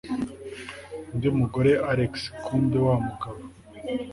undi mugore alex kumbe wamugabo